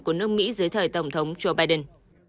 của nước mỹ dưới thời tổng thống joe biden